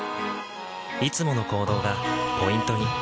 いつもの行動がポイントに。